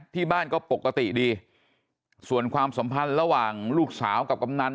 ที่บ้านก็ปกติดีส่วนความสัมพันธ์ระหว่างลูกสาวกับกำนัน